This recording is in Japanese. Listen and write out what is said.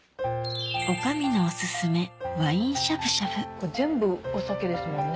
女将のおすすめワインしゃぶしゃぶ全部お酒ですもんね。